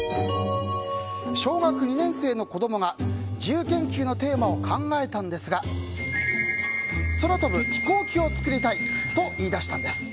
小学２年生の子供が自由研究のテーマを考えたんですが空飛ぶ飛行機を作りたいと言い出したんです。